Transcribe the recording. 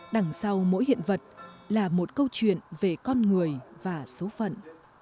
đằng sau mỗi hiện vật là một câu chuyện về con người và số phận